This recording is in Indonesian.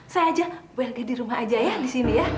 saya aja warga di rumah aja ya di sini ya